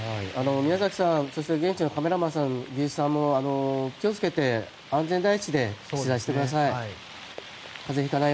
宮崎さん、現地のカメラマンさん、技術さん気を付けて安全第一で取材してください。